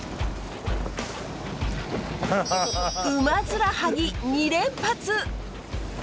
ウマヅラハギ２連発！